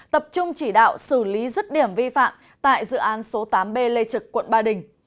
tập trung chỉ đạo xử lý rứt điểm vi phạm tại dự án số tám b lê trực quận ba đình